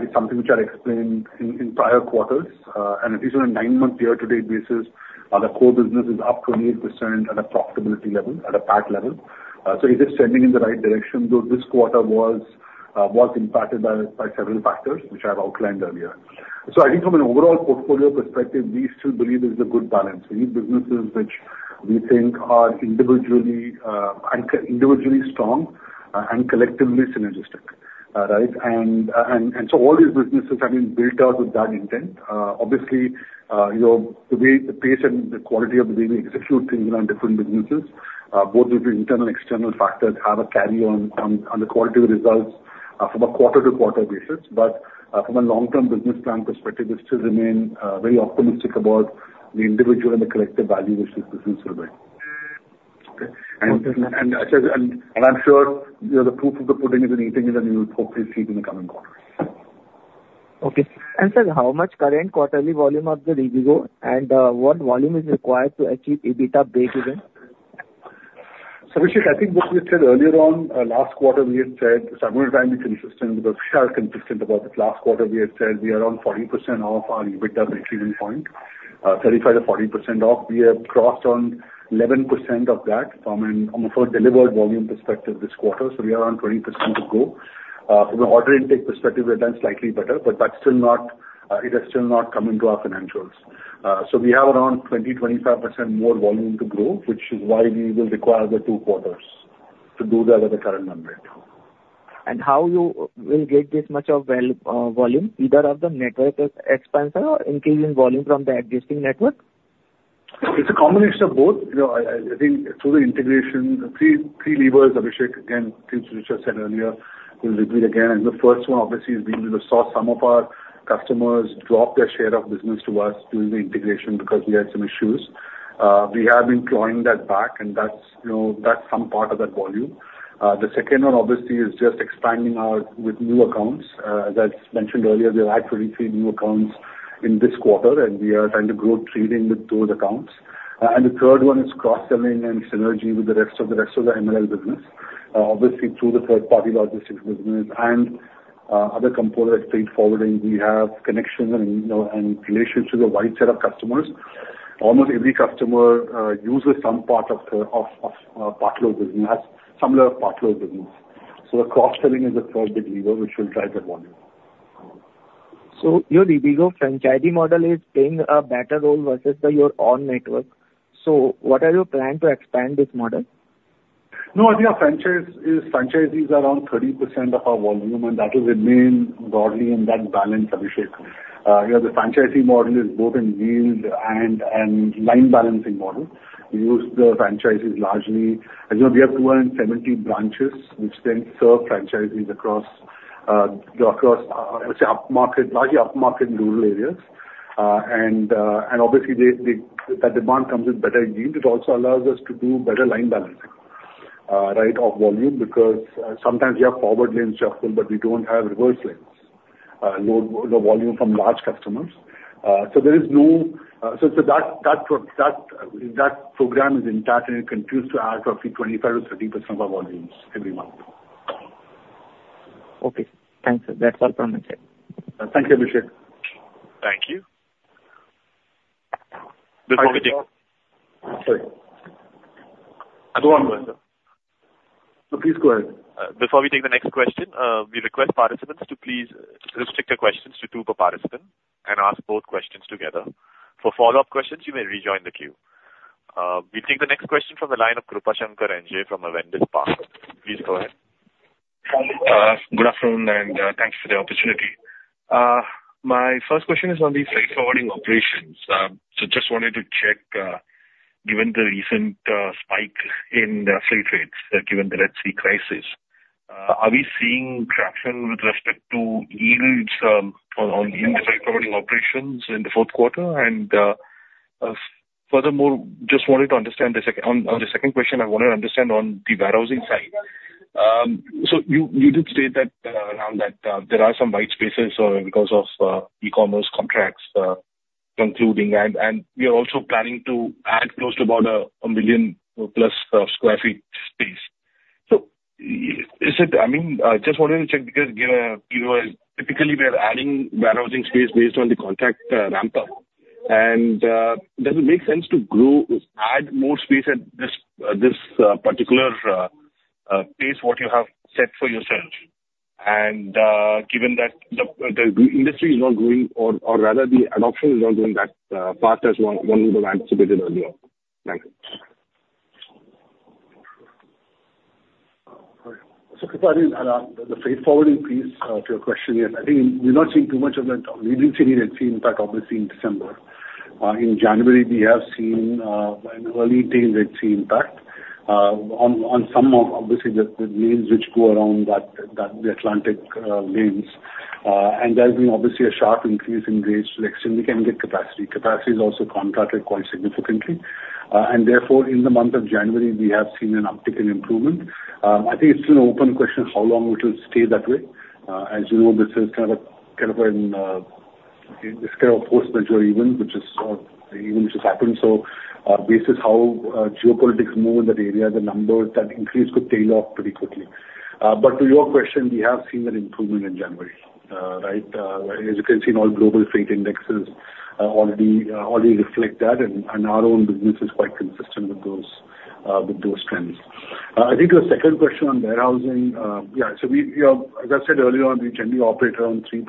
It's something which I explained in prior quarters, and at least on a nine-month year-to-date basis, the core business is up 28% at a profitability level, at a PAT level. So it is trending in the right direction, though this quarter was impacted by several factors, which I have outlined earlier. So I think from an overall portfolio perspective, we still believe there's a good balance. So these businesses which we think are individually strong and collectively synergistic, right? And so all these businesses have been built out with that intent. Obviously, you know, the way, the pace and the quality of the way we execute things on different businesses, both with the internal and external factors, have a carry on the quality of the results from a quarter-to-quarter basis. But from a long-term business plan perspective, we still remain very optimistic about the individual and the collective value which these businesses bring. Okay. I'm sure, you know, the proof of the pudding is in eating it, and you'll hopefully see it in the coming quarters. Okay. And sir, how much current quarterly volume of the Rivigo, and what volume is required to achieve EBITDA breakeven? So Abhishek, I think what we said earlier on, last quarter, we had said several times consistent with, are consistent about it. Last quarter, we had said we are around 40% of our EBITDA breakeven point, 35%-40% off. We have crossed on 11% of that from a delivered volume perspective this quarter, so we are around 20% to go. From an order intake perspective, we've done slightly better, but that's still not, it has still not come into our financials. So we have around 20-25% more volume to grow, which is why we will require the two quarters to do that at the current run rate. How you will get this much of volume, either of the network expansion or increase in volume from the existing network? It's a combination of both. You know, I think through the integration, the three levers, Abhishek, again, things which I said earlier, we'll repeat again. And the first one, obviously, is we saw some of our customers drop their share of business to us during the integration because we had some issues. We have been clawing that back, and that's, you know, that's some part of that volume. The second one, obviously, is just expanding out with new accounts. As I mentioned earlier, we've added 23 new accounts in this quarter, and we are trying to grow trading with those accounts. And the third one is cross-selling and synergy with the rest of, the rest of the MLL business. Obviously, through the third-party logistics business and other component freight forwarding, we have connections and, you know, and relations with a wide set of customers. Almost every customer uses some part of partner business, has similar partner business. So the cross-selling is the third big lever, which will drive that volume. Your Rivigo franchisee model is playing a better role versus your own network. What are your plan to expand this model? No, I think our franchise is, franchisees are around 30% of our volume, and that will remain broadly in that balance, Abhishek. You know, the franchisee model is both in yield and line balancing model. We use the franchisees largely. As you know, we have 270 branches, which then serve franchisees across, let's say, upmarket, largely upmarket and rural areas. And obviously, that demand comes with better yield. It also allows us to do better line balancing, right off volume, because sometimes we have forward lane shuttle, but we don't have reverse lanes, load the volume from large customers. So there is no. So that program is intact and it continues to add roughly 25%-30% of our volumes every month. Okay. Thank you. That's all from my side. Thank you, Abhishek. Thank you. Before we take- Sorry. Go on, sir. No, please go ahead. Before we take the next question, we request participants to please restrict their questions to two per participant and ask both questions together. For follow-up questions, you may rejoin the queue. We take the next question from the line of Krupa Shankar NJ from Avendus Spark. Please go ahead. Good afternoon, and thanks for the opportunity. My first question is on the freight forwarding operations. So just wanted to check, given the recent spike in the freight rates, given the Red Sea crisis, are we seeing traction with respect to yields on the freight forwarding operations in the fourth quarter? And furthermore, just wanted to understand the second. On the second question, I wanted to understand on the warehousing side. So you did state that, around that, there are some white space or because of e-commerce contracts concluding, and we are also planning to add close to about 1 million or plus sq ft space. So, is it, I mean, just wanted to check, because, you know, typically we are adding warehousing space based on the contract ramp up. And, does it make sense to grow, add more space at this particular pace, what you have set for yourself? And, given that the industry is not growing, or rather the adoption is not growing that fast as one would have anticipated earlier. Thank you. Krupa, I think the freight forwarding piece, to your question, is, I think we're not seeing too much of that. We did see it, in fact, obviously, in December. In January, we have seen an early term Red Sea impact on some of, obviously, the mails which go around the Atlantic lanes. There's been, obviously, a sharp increase in rates, so we can get capacity. Capacity has also contracted quite significantly. Therefore, in the month of January, we have seen an uptick in improvement. I think it's still an open question how long it will stay that way. As you know, this is kind of a, kind of an, this kind of post-mature event, which is an event which has happened. So, basis how geopolitics move in that area, the numbers that increase could tail off pretty quickly. But to your question, we have seen an improvement in January. Right? As you can see, in all global freight indexes, already reflect that, and our own business is quite consistent with those trends. I think your second question on warehousing. Yeah, so we, you know, as I said earlier on, we generally operate around 3%,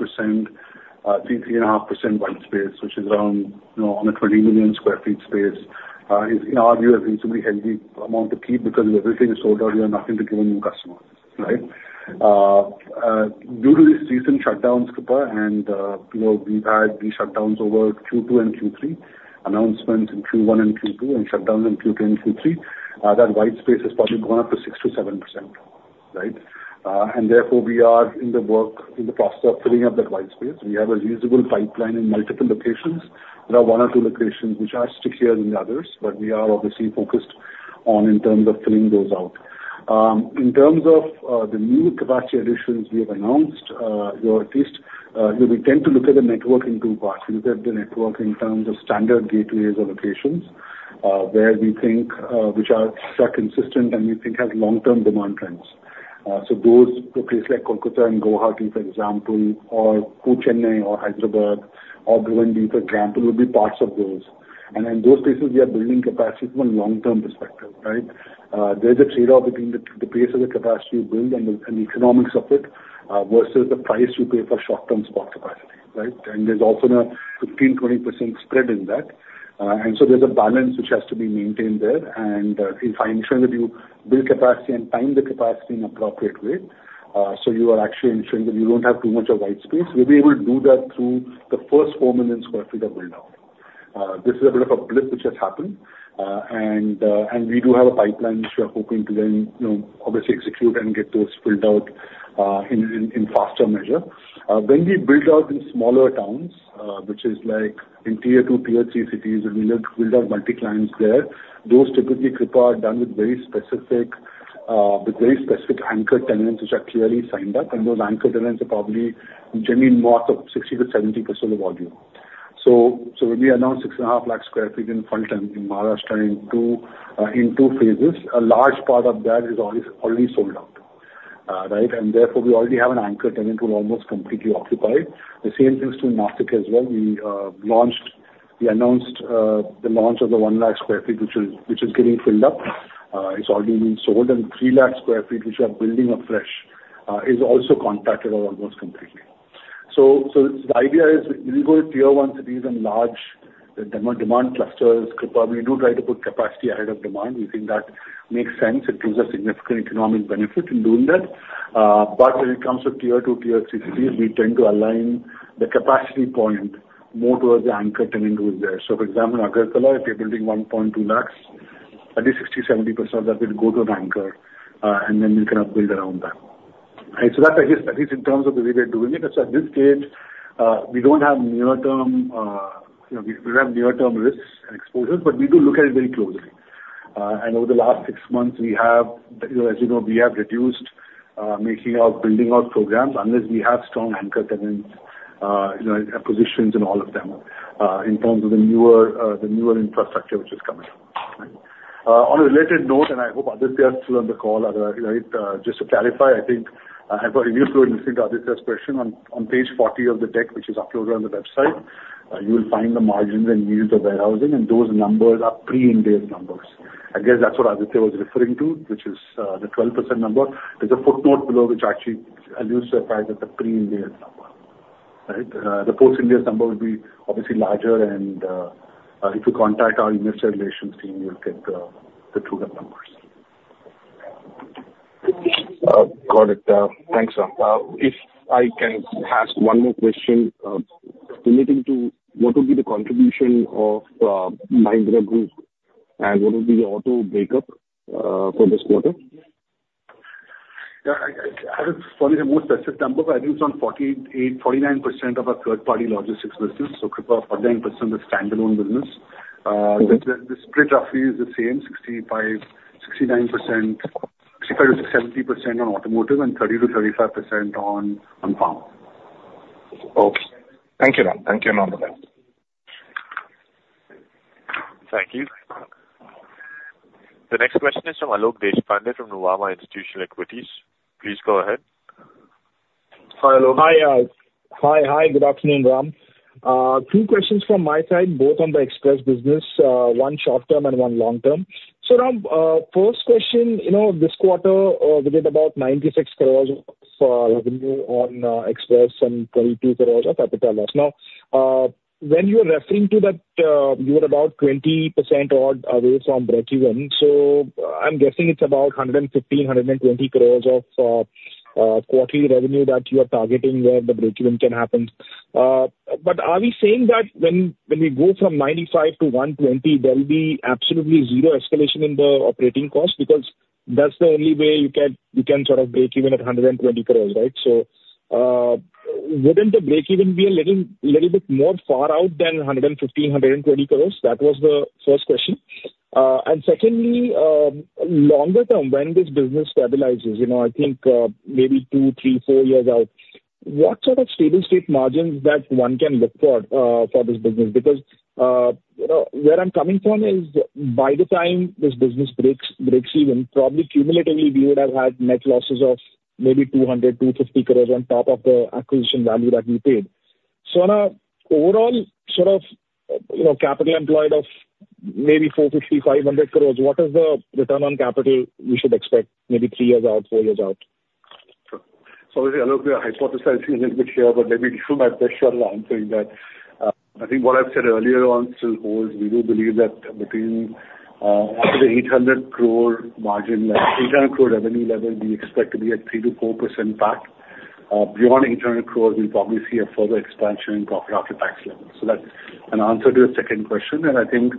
3.5% white space, which is around, you know, on a 20 million sq ft space. In our view, a reasonably healthy amount to keep, because everything is sold out, we have nothing to give a new customer, right? Due to the recent shutdowns, Krupa, and, you know, we've had these shutdowns over Q2 and Q3, announcements in Q1 and Q2, and shutdowns in Q2 and Q3, that white space has probably gone up to 6%-7%, right? And therefore we are in the works, in the process of filling up that white space. We have a reasonable pipeline in multiple locations. There are one or two locations which are stickier than the others, but we are obviously focused on in terms of filling those out. In terms of, the new capacity additions we have announced, or at least, we tend to look at the network in two parts. We look at the network in terms of standard gateways or locations, where we think, which are consistent and we think has long-term demand trends. So those places like Kolkata and Guwahati, for example, or Chennai or Hyderabad or Bengaluru, for example, will be parts of those. And in those cases, we are building capacity from a long-term perspective, right? There's a trade-off between the, the pace of the capacity you build and the, and the economics of it, uh, versus the price you pay for short-term spot capacity, right? And there's often a 15%-20% spread in that. Uh, and so there's a balance which has to be maintained there, and, uh, if I ensure that you build capacity and time the capacity in appropriate way, uh, so you are actually ensuring that you don't have too much of white space. We'll be able to do that through the first 4 million sq ft of build out. Uh, this is a bit of a blip which has happened. And we do have a pipeline which we are hoping to then, you know, obviously execute and get those filled out in faster measure. When we build out in smaller towns, which is like in tier two, tier three cities, and we build out multi-clients there, those typically, Krupa, are done with very specific anchor tenants, which are clearly signed up. And those anchor tenants are probably generally north of 60%-70% of volume. So when we announce 6.5 lakh sq ft in Phaltan, in Maharashtra, in two phases, a large part of that is already sold out, right? And therefore, we already have an anchor tenant who almost completely occupied. The same things to Nashik as well. We launched—we announced the launch of the 100,000 sq ft, which is, which is getting filled up. It's already been sold, and 300,000 sq ft, which we are building afresh, is also contracted out almost completely. So, so the idea is, when you go to tier one cities and large demand, demand clusters, Krupa, we do try to put capacity ahead of demand. We think that makes sense. It gives a significant economic benefit in doing that. But when it comes to tier two, tier three cities, we tend to align the capacity point more towards the anchor tenant who is there. So for example, Agartala, if you're building 120,000, at least 60%-70% of that will go to an anchor, and then you kind of build around that. So that's at least in terms of the way we are doing it. So at this stage, we don't have near-term, you know, we don't have near-term risks and exposures, but we do look at it very closely. And over the last six months, we have, you know, as you know, we have reduced making our building our programs unless we have strong anchor tenants, you know, positions in all of them in terms of the newer infrastructure which is coming up. On a related note, and I hope Aditya is still on the call, right? Just to clarify, I think I've got a new question, Aditya's question on page 40 of the deck, which is uploaded on the website. You will find the margins and yields of warehousing, and those numbers are pre-Ind AS numbers. I guess that's what Aditya was referring to, which is the 12% number. There's a footnote below, which actually alludes to the fact that the pre-Ind AS number, right? The post-Ind AS number will be obviously larger, and if you contact our investor relations team, you'll get the truer numbers. Got it. Thanks, Ram. If I can ask one more question, relating to what would be the contribution of Mahindra Group, and what would be the auto breakup, for this quarter? Yeah, sorry, the more specific number, but I think it's around 48%-49% of our third-party logistics business. So Krupa, 49% is standalone business. Mm-hmm. The split roughly is the same, 65%-69%, 65%-70% on automotive and 30%-35% on farm. Okay. Thank you, Ram. Thank you, and all the best. Thank you. The next question is from Alok Deshpande, from Nuvama Institutional Equities. Please go ahead. Hi, Alok. Hi, good afternoon, Ram. Two questions from my side, both on the express business, one short term and one long term. So Ram, first question, you know, this quarter, we did about 96 crore revenue on express and 22 crore of capital loss. Now, when you are referring to that, you are about 20% odd away from breakeven, so I'm guessing it's about 115-120 crore of,... quarterly revenue that you are targeting, where the breakeven can happen. But are we saying that when we go from 95 to 120, there will be absolutely zero escalation in the operating costs? Because that's the only way you can sort of break even at 120 crore, right? So, wouldn't the breakeven be a little bit more far out than 115-120 crore? That was the first question. And secondly, longer term, when this business stabilizes, you know, I think maybe two, three, four years out, what sort of steady-state margins that one can look for for this business? Because, you know, where I'm coming from is by the time this business breaks even, probably cumulatively, we would have had net losses of maybe 200-250 crore on top of the acquisition value that we paid. So on a overall sort of, you know, capital employed of maybe 450-500 crore, what is the return on capital we should expect maybe three years out, four years out? Sorry, Alok, we are hypothesizing a little bit here, but let me do my best shot answering that. I think what I've said earlier on still holds. We do believe that between, after the 800 crore margin, 800 crore revenue level, we expect to be at 3%-4% PAT. Beyond 800 crores, we'll probably see a further expansion in profit after tax level. So that's an answer to the second question. And I think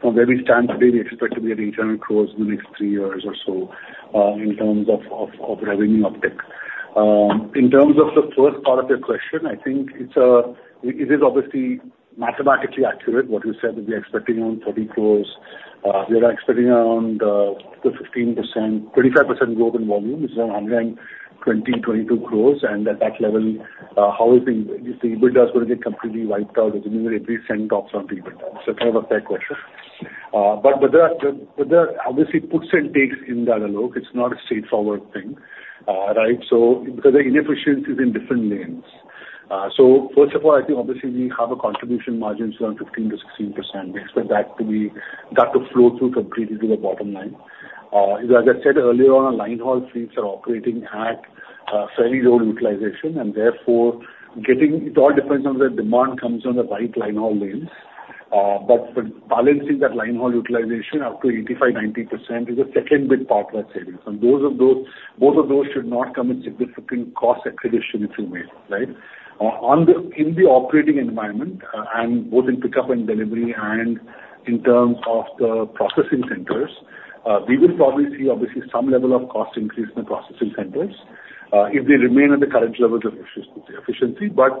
from where we stand today, we expect to be at INR 800 crores in the next three years or so, in terms of, of, of revenue uptick. In terms of the first part of your question, I think it's, it is obviously mathematically accurate what you said, that we are expecting around 30 crores. We are expecting around 15%-25% growth in volume, this is 122 crores. And at that level, how is the EBITDA going to get completely wiped out, eliminating every cent of some EBITDA. So kind of a fair question. But there are obviously puts and takes in that, Alok. It's not a straightforward thing, right? So because the inefficiency is in different lanes. So first of all, I think obviously we have contribution margins around 15%-16%. We expect that to be-- that to flow through completely to the bottom line. As I said earlier on, our line haul fleets are operating at fairly low utilization, and therefore, getting... It all depends on the demand comes on the right line haul lanes. But balancing that line haul utilization up to 85%-90% is a second big partner savings. And both of those should not come with significant cost accretion, if you may, right? In the operating environment, and both in pickup and delivery and in terms of the processing centers, we will probably see some level of cost increase in the processing centers, if they remain at the current levels of efficiency, but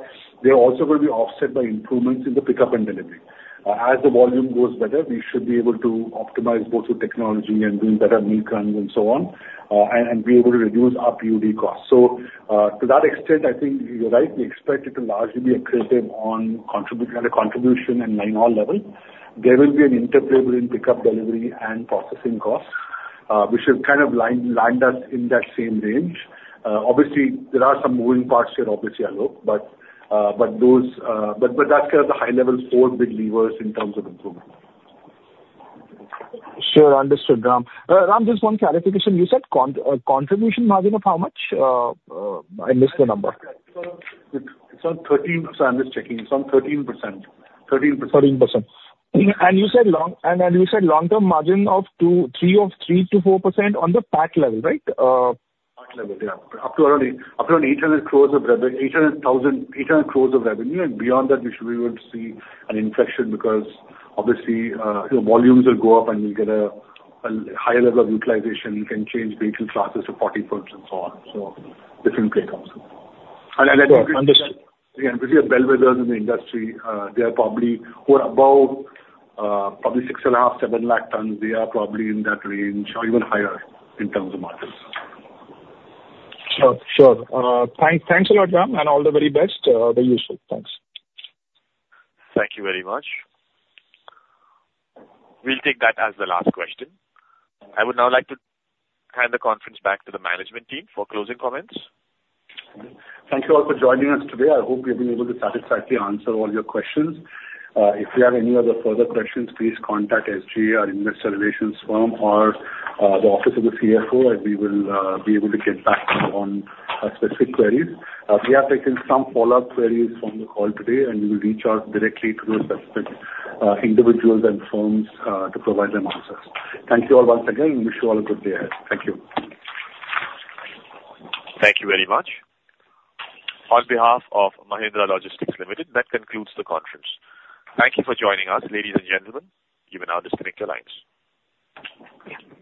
they are also going to be offset by improvements in the pickup and delivery. As the volume goes better, we should be able to optimize both the technology and doing better milk runs and so on, and be able to reduce our PUD costs. So, to that extent, I think you're right. We expect it to largely be accretive on contribution at a contribution and line haul level. There will be an interplay between pickup, delivery, and processing costs, which will kind of line, land us in that same range. Obviously, there are some moving parts here, obviously, Alok, but those, but that's kind of the high-level four big levers in terms of improvement. Sure. Understood, Ram. Ram, just one clarification. You said contribution margin of how much? I missed the number. It's on 13, I'm just checking. It's on 13%. 13%. 13%. And you said long-term margin of 2%-3% of 3%-4% on the PAT level, right? PAT level, yeah. Up to around 800 crore of revenue, and beyond that, we should be able to see an inflection because obviously, volumes will go up and we'll get a higher level of utilization. We can change regional classes to 40% and so on, so different play comes in. Understood. Yeah, if you see our bellwethers in the industry, they are probably who are above, probably 6.5-7 lakh tons. They are probably in that range or even higher in terms of margins. Sure, sure. Thanks, thanks a lot, Ram, and all the very best. Very useful. Thanks. Thank you very much. We'll take that as the last question. I would now like to hand the conference back to the management team for closing comments. Thank you all for joining us today. I hope we've been able to satisfactorily answer all your questions. If you have any other further questions, please contact SGA, our investor relations firm, or the office of the CFO, and we will be able to get back to you on specific queries. We have taken some follow-up queries from the call today, and we will reach out directly to those specific individuals and firms to provide them answers. Thank you all once again, and wish you all a good day ahead. Thank you. Thank you very much. On behalf of Mahindra Logistics Limited, that concludes the conference. Thank you for joining us, ladies and gentlemen. You may now disconnect your lines.